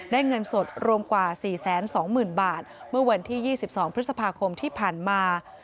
เงินสดรวมกว่า๔๒๐๐๐บาทเมื่อวันที่๒๒พฤษภาคมที่ผ่านมา